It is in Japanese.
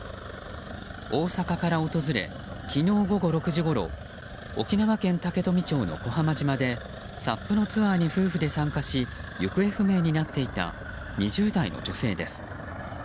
大阪から訪れ昨日午後６時ごろ沖縄県竹富町の小浜島でＳＵＰのツアーに夫婦で参加し行方不明になっていた２０代の女性です。